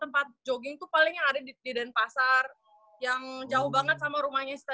tempat jogging tuh paling yang ada di denpasar yang jauh banget sama rumahnya